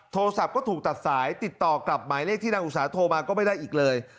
โทรศัพท์ก็ถูกตัดสายติดต่อกลับหมายเลขที่นางอุตสาโทรมาก็ไม่ได้อีกเลย